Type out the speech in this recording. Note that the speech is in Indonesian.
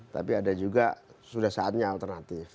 tapi ada juga sudah saatnya alternatif